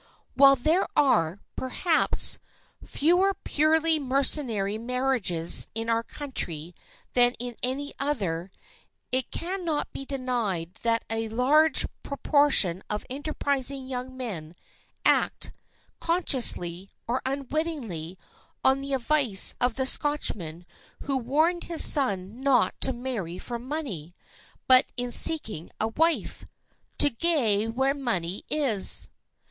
While there are, perhaps, fewer purely mercenary marriages in our country than in any other, it can not be denied that a large proportion of enterprising young men act, consciously, or unwittingly, on the advice of the Scotchman who warned his son not to marry for money, but in seeking a wife, "to gae where money is."